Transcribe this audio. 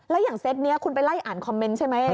แล้วอย่างเซตนี้คุณไปไล่อ่านคอมเมนต์ใช่ไหม